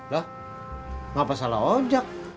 loh gak salah oh jak